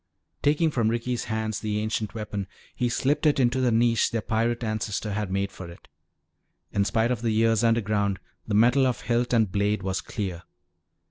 Taking from Ricky's hands the ancient weapon, he slipped it into the niche their pirate ancestor had made for it. In spite of the years underground, the metal of hilt and blade was clear.